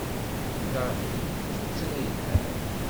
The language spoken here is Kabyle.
Ta d tuttra yelhan.